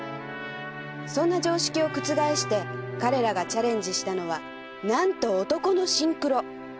そんな常識を覆して彼らがチャレンジしたのは何と男のシンクロ。